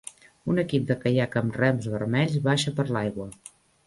Un equip de caiac amb rems vermells baixa per l'aigua